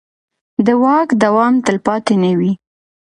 د واک دوام تلپاتې نه وي